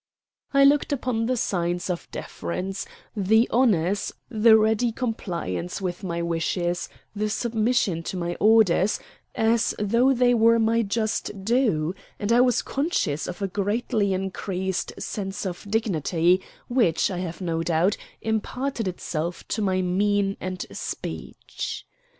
I looked upon the signs of deference, the honors, the ready compliance with my wishes, the submission to my orders, as though they were my just due; and I was conscious of a greatly increased sense of dignity, which, I have no doubt, imparted itself to my mien and speech.